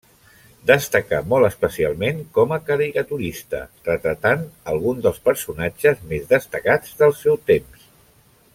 Destacà molt especialment com a caricaturista, retratant alguns dels personatges més destacats del seu temps.